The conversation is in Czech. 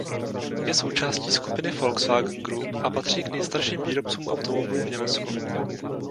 Je součástí skupiny Volkswagen Group a patří k nejstarším výrobcům automobilů v Německu.